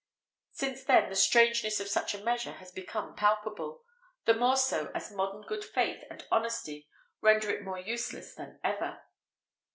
[XVIII 35] Since then the strangeness of such a measure has become palpable, the more so as modern good faith and honesty render it more useless than ever.